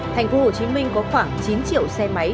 tp hcm có khoảng chín triệu xe máy